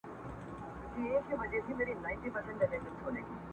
خدای به مني قرآن به لولي مسلمان به نه وي!!